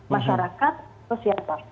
masyarakat atau siapa